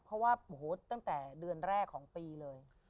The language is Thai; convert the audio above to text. เพราะว่าโอ้โหตั้งแต่เดือนแรกของปีเลย